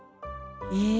え